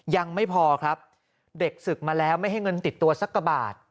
ยังไม่พอครับเด็กศึกมาแล้วไม่ให้เงินติดตัวสักกว่าบาท